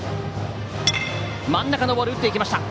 真ん中のボールを打っていきました。